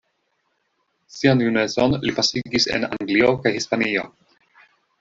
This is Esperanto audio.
Sian junecon li pasigis en Anglio kaj Hispanio.